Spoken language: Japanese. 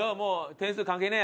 点数関係ねえ